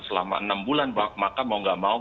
selama enam bulan maka mau gak mau